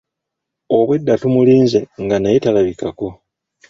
Obwedda tumulize nga naye talabikako.